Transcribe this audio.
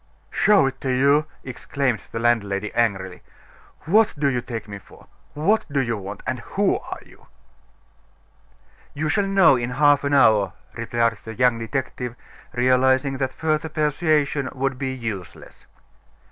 "Show it to you!" exclaimed the landlady, angrily. "What do you take me for? What do you want? and who are you?" "You shall know in half an hour," replied the young detective, realizing that further persuasion would be useless.